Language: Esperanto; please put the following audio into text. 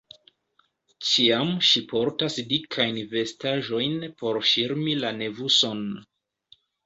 Ĉiam ŝi portas dikajn vestaĵojn por ŝirmi la nevuson.